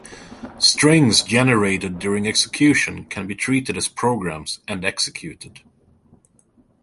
Strings generated during execution can be treated as programs and executed.